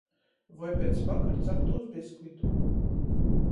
Voi piec vakar captūs biskvitu.